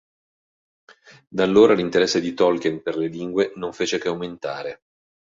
Da allora l'interesse di Tolkien per le lingue non fece che aumentare.